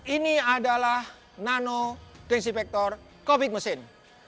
ini adalah nano dengsifektor covid mesin